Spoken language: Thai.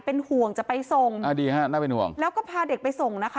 เป็นห่วงจะไปส่งอ่าดีฮะน่าเป็นห่วงแล้วก็พาเด็กไปส่งนะคะ